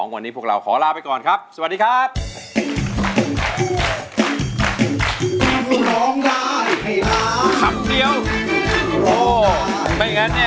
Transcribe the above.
วันนี้พวกเราขอลาไปก่อนครับสวัสดีครับ